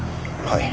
はい。